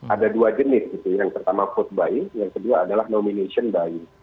ada dua jenis gitu yang pertama vote buy yang kedua adalah nomination buying